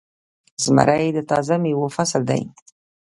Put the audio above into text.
زمری د تازه میوو فصل دی.